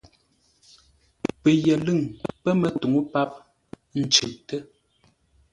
Pəyəlʉ̂ŋ pə̂ mətuŋú páp, ə́ ncʉʼtə́.